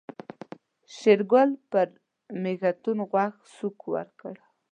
شېرګل پر مېږتون غوږ سوک ورکړ.